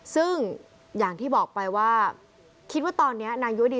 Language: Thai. ซึ่งอย่างที่บอกไปว่าคิดว่าตอนนี้นายวดี